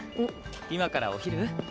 今からお昼？